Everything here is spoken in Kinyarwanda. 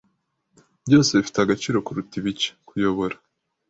Byose bifite agaciro kuruta ibice. (_kuyobora)